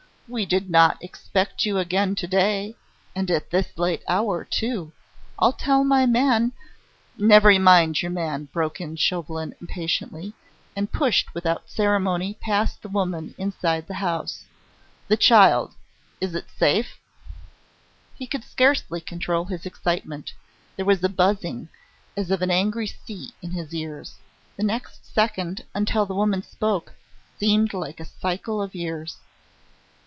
"We did not expect you again to day, and at this late hour, too. I'll tell my man " "Never mind your man," broke in Chauvelin impatiently, and pushed without ceremony past the woman inside the house. "The child? Is it safe?" He could scarcely control his excitement. There was a buzzing, as of an angry sea, in his ears. The next second, until the woman spoke, seemed like a cycle of years.